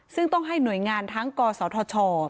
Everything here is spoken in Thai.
ซึ่งต้องให้หน่วยงานทั้งกศธช